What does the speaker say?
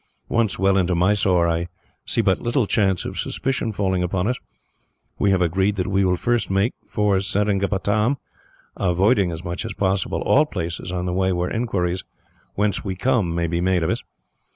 Once well into Mysore, I see but little chance of suspicion falling upon us. We have agreed that we will first make for Seringapatam, avoiding as much as possible all places on the way where inquiries whence we come may be made of us.